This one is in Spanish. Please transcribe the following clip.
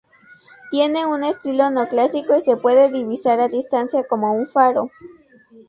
Tiene un estilo neoclásico y se puede divisar a distancia, como un faro.